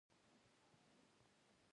منډه بدن متحرک ساتي